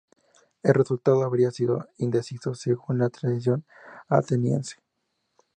El resultado habría sido indeciso, según la tradición ateniense.